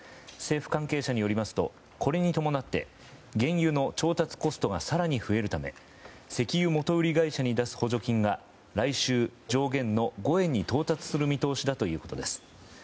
政府関係者によりますとこれに伴って原油の調達コストが更に増えるため石油元売り会社に出す補助金が来週、上限の５円に到達する見通しだということです。